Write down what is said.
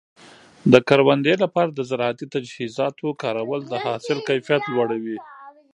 د کروندې لپاره د زراعتي تجهیزاتو کارول د حاصل کیفیت لوړوي.